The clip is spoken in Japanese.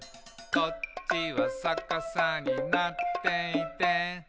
「こっちはさかさになっていて」